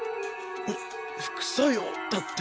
ふ副作用だって？